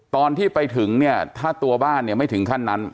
ตอนที่ไปถึงเนี่ยถ้าตัวบ้านเนี่ยไม่ถึงขั้นนั้น